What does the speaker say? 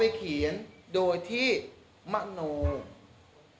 แต่เจ้าตัวก็ไม่ได้รับในส่วนนั้นหรอกนะครับ